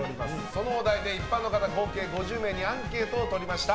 そのお題で一般の方合計５０名にアンケートを取りました。